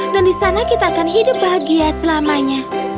dan di sana kita akan hidup bahagia selamanya